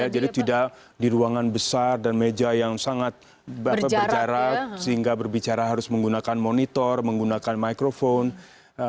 jadi tidak dari ruangan besar dan meja yang sangat berjarak sehingga berbicara harus menggunakan monitor menggunakan microphone